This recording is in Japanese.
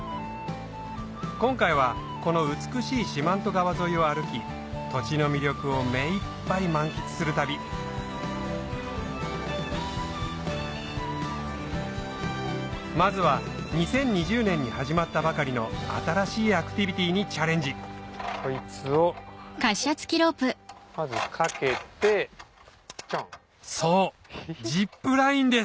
今回はこの美しい四万十川沿いを歩き土地の魅力を目いっぱい満喫する旅まずは２０２０年に始まったばかりの新しいアクティビティーにチャレンジこいつをまずかけてチョン。